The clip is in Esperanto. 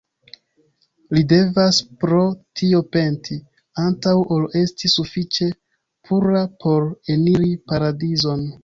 Li devas pro tio penti, antaŭ ol esti sufiĉe pura por eniri Paradizon.